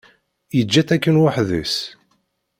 Yeǧǧa-tt akken weḥd-s.